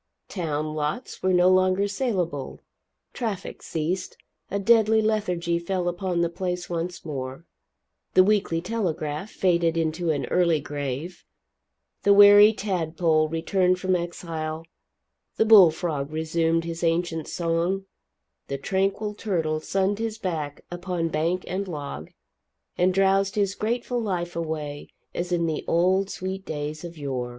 Town lots were no longer salable, traffic ceased, a deadly lethargy fell upon the place once more, the "Weekly Telegraph" faded into an early grave, the wary tadpole returned from exile, the bullfrog resumed his ancient song, the tranquil turtle sunned his back upon bank and log and drowsed his grateful life away as in the old sweet days of yore.